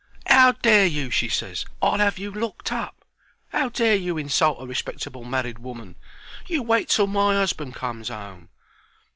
"'Ow dare you!' she ses. 'I'll 'ave you locked up. 'Ow dare you insult a respectable married woman! You wait till my 'usband comes 'ome.'